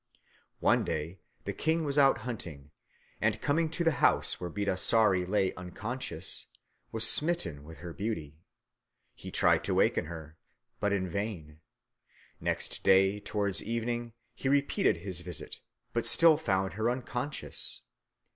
One day the king was out hunting, and coming to the house where Bidasari lay unconscious, was smitten with her beauty. He tried to waken her, but in vain. Next day, towards evening, he repeated his visit, but still found her unconscious.